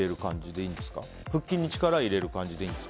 腹筋に力を入れる感じでいいですか？